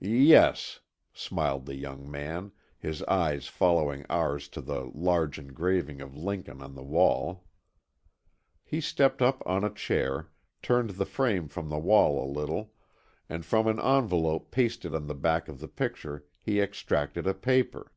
"Yes," smiled the young man, his eyes following ours to the large engraving of Lincoln on the wall. He stepped up on a chair, turned the frame from the wall a little, and from an envelope pasted on the back of the picture he extracted a paper.